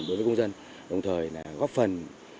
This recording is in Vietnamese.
đối với công dân đồng thời góp phần